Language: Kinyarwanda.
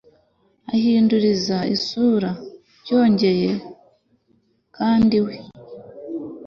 ahinduriza isura byongeye kandi we